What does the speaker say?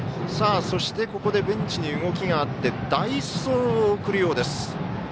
そして、ここでベンチに動きがあって代走を送るようです。